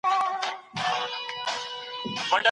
محیط مو له بدو خلګو لیرې وساتئ.